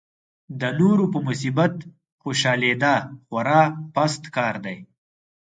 د نورو په مصیبت خوشالېدا خورا پست کار دی.